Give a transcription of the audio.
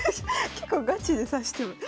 結構ガチで指してしまう。